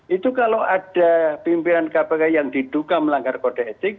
itu kalau ada pimpinan kpk yang diduga melanggar kode etik